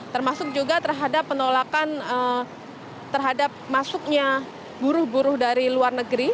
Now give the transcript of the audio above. termasuk juga terhadap penolakan terhadap masuknya buruh buruh dari luar negeri